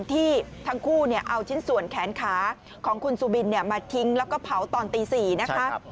ที่ทั้งคู่เอาชิ้นส่วนแขนขาของคุณสุบินมาทิ้งแล้วก็เผาตอนตี๔นะคะ